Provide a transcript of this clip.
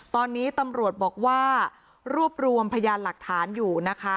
ตอนนี้ตำรวจบอกว่ารวบรวมพยานหลักฐานอยู่นะคะ